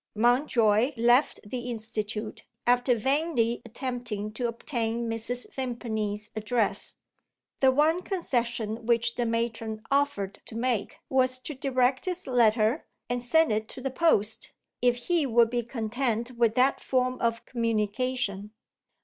Mountjoy left the Institute, after vainly attempting to obtain Mrs. Vimpany's address. The one concession which the matron offered to make was to direct his letter, and send it to the post, if he would be content with that form of communication.